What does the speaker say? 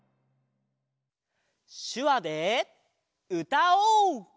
しゅわでうたおう！